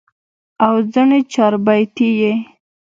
او ځني چاربيتې ئې